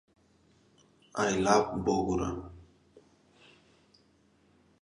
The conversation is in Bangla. লাহোরের ইসলামিয়া কলেজে পড়াশোনা করেছেন।